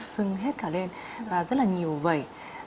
sưng hết cả lên và rất là nhiều vẩy